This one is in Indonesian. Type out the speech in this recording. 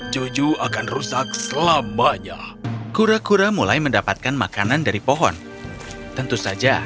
juju akan rusak selamanya kura kura mulai mendapatkan makanan dari pohon tentu saja